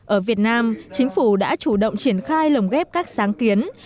ở việt nam chính phủ đã chủ động triển khai lồng ghép các sáng kiến